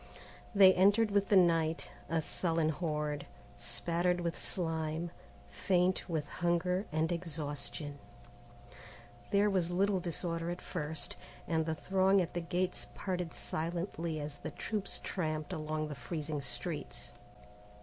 They entered with the night, a sullen horde, spattered with slime, faint with hunger and exhaustion. There was little disorder at first, and the throng at the gates parted silently as the troops tramped along the freezing streets.